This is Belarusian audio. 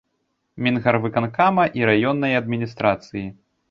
Мінгарвыканкама і раённай адміністрацыі.